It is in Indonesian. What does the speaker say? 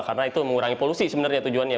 karena itu mengurangi polusi sebenarnya tujuannya